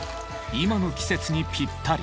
今の季節にぴったり。